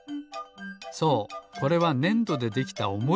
そうこれはねんどでできたおもりなんです。